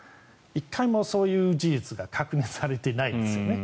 １回もそういう事実が確認されてないんですよね。